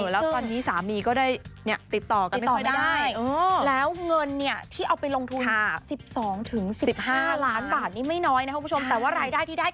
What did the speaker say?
เออและตอนนี้สามีก็ได้เนี่ยติดต่อจากที่ไม่ได้